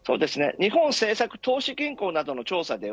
日本政策投資銀行などの調査では